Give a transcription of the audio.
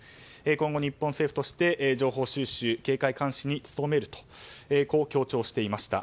今後、日本政府として情報収集・警戒監視に努めるとこう強調していました。